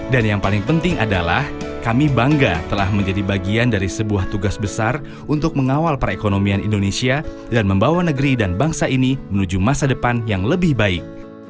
dan yang paling penting adalah kami bangga telah menjadi bagian dari sebuah tugas besar untuk mengawal perekonomian indonesia dan membawa negeri dan bangsa ini menuju masa depan yang lebih baik